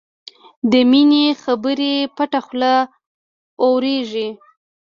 د مینې خبرې پټه خوله اورېږي